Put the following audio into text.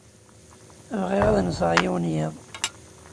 Bɣiɣ ad nseɣ yiwen yiḍ.